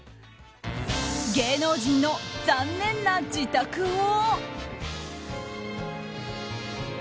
芸能人の残念な自宅を。